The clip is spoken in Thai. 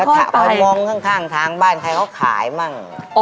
ถ้าไปมองข้างทางบ้านใครเขาขายมั่ง